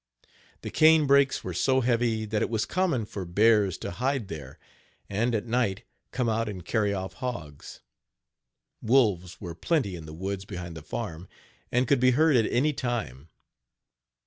Page 77 The cane brakes were so heavy that it was common for bears to hide there, and, at night, come out and carry off hogs. Wolves were plenty in the woods behind the farm, and could be heard at any time.